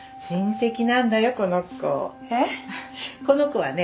この子はね